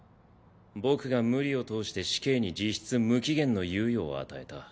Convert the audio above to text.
僕が無理を通して死刑に実質無期限の猶予を与えた。